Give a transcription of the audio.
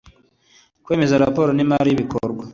Kwemeza raporo y imari n iy ibikorwa